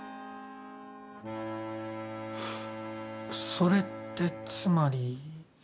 それってつまり。